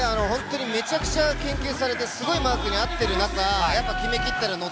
めちゃくちゃ研究されて、すごいマークにあってる中、決めきったらノ